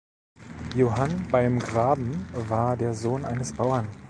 Johan beym Graben war der Sohn eines Bauern.